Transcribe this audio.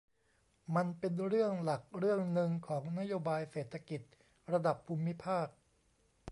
มันเป็นเรื่องหลักเรื่องนึงของนโยบายเศรษฐกิจระดับภูมิภาค